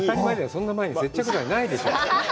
そんな前に接着剤ないでしょう。